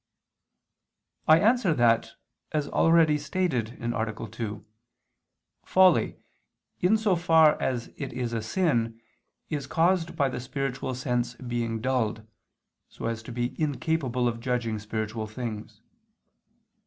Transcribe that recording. I answer that, As already stated (A. 2), folly, in so far as it is a sin, is caused by the spiritual sense being dulled, so as to be incapable of judging spiritual things.